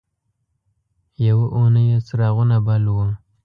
یوه اونۍ یې څراغونه بل وو.